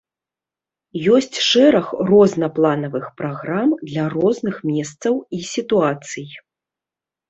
Ёсць шэраг рознапланавых праграм для розных месцаў і сітуацый.